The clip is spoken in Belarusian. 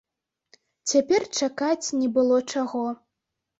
Цяпер чакаць не было чаго.